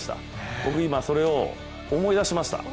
僕、今、それを思い出しました。